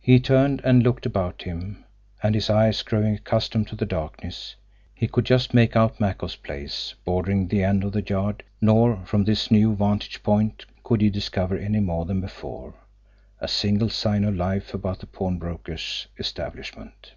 He turned and looked about him, and, his eyes growing accustomed to the darkness, he could just make out Makoff's place, bordering the end of the yard nor, from this new vantage point, could he discover, any more than before, a single sign of life about the pawnbroker's establishment.